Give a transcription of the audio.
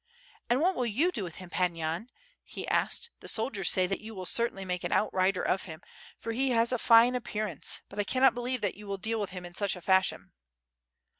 "And what will you do with him, Pan Yan?" he asked, "the soldiers say that you will certainly make an outrider of him, for he has a fine appearance; but I cannot believe that you will deal with him in such a fashion."